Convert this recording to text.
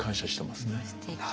すてき。